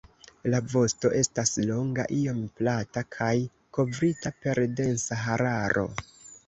La vosto estas longa, iom plata kaj kovrita per densa hararo.